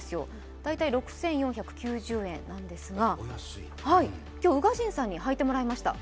大体６４９０円ですが今日、宇賀神さんに履いてもらいました。